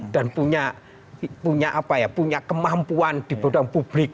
dan punya kemampuan di bawah publik